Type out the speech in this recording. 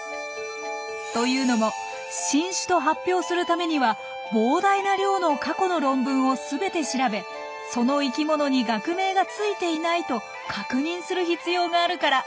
というのも新種と発表するためには膨大な量の過去の論文を全て調べその生きものに学名がついていないと確認する必要があるから。